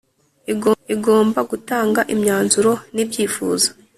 igomba gutanga imyanzuro n ibyifuzo